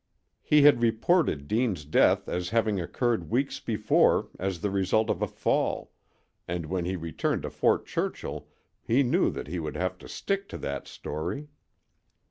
He had reported Deane's death as having occurred weeks before as the result of a fall, and when he returned to Fort Churchill he knew that he would have to stick to that story.